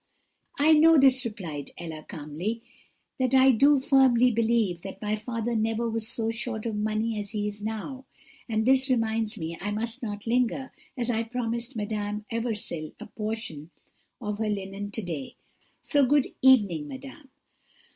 "'I know this,' replied Ella, calmly, 'that I do firmly believe that my father never was so short of money as he is now: and this reminds me I must not linger, as I promised Madame Eversil a portion of her linen to day: so good evening, madame.'